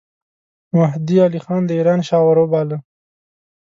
مهدي علي خان د ایران شاه وروباله.